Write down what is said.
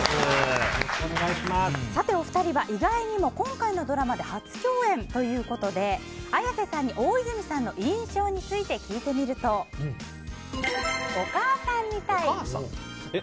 さてお二人は意外にも今回のドラマで初共演ということで、綾瀬さんに大泉さんの印象について聞いてみるとお母さんみたい！